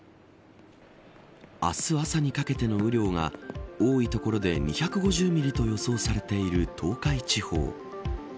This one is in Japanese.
明日朝にかけての雨量が多い所で２５０ミリと予想されている東海地方。